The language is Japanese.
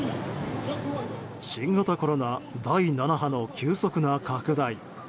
新型コロナ第７波の急速な拡大。